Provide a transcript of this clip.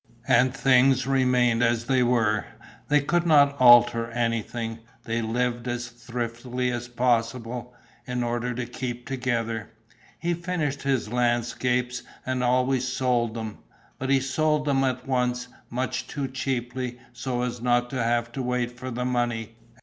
And things remained as they were: they could not alter anything; they lived as thriftily as possible, in order to keep together. He finished his landscapes and always sold them; but he sold them at once, much too cheaply, so as not to have to wait for the money.